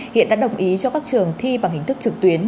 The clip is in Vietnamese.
hiện đã đồng ý cho các trường thi bằng hình thức trực tuyến